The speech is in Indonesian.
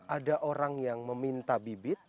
ada orang yang meminta bibit